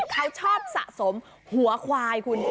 เขาชอบสะสมหัวควายคุณ